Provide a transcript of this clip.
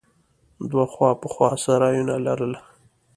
دوه خوا په خوا سرايونه يې لرل.